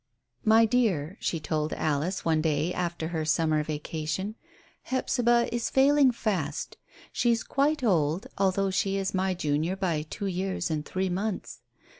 "My dear," she told Alice, one day after her summer vacation, "Hephzibah is failing fast. She's quite old, although she is my junior by two years and three months.